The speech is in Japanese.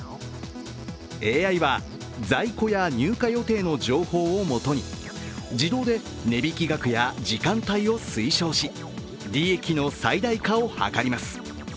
ＡＩは在庫や入荷予定の情報を基に自動で値引き額や時間帯を推奨し、利益の最大化を図ります。